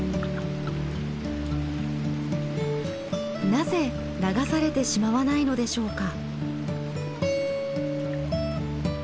なぜ流されてしまわないのでしょうか？